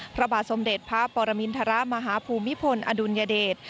พระบาทสมเด็จพระปรมินทรมาฮภูมิพลอดุลยเดช